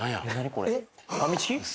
これファミチキ？